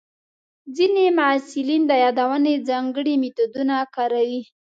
ځینې محصلین د یادونې ځانګړي میتودونه کاروي.